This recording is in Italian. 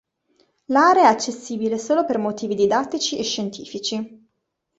L'area è accessibile solo per motivi didattici e scientifici.